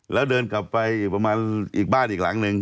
แล้วเดินกลับไปอีกประมาณอีกบ้านอีกหลังนึง